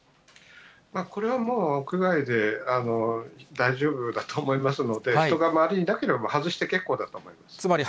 これはもう、屋外で大丈夫だと思いますので、人が周りにいなければ、外して結構だと思います。